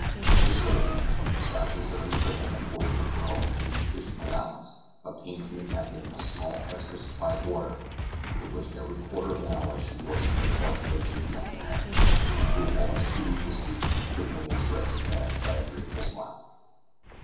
Miss Herbey, besides reserving for him a portion of her own insufficient allowance, obtained from the captain a small extra supply of water with which every quarter of an hour she moistened the parched lips of the young man, who, almost too weak to speak, could only express his thanks by a grateful smile.